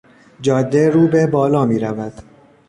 جاده رو به بالا میرود.